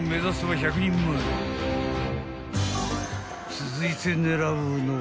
［続いて狙うのは］